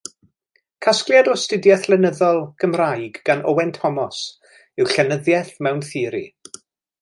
Casgliad o astudiaeth lenyddol, Gymraeg gan Owen Thomas yw Llenyddiaeth Mewn Theori.